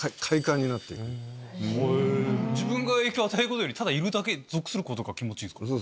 自分が影響を与えることよりただ属することが気持ちいい？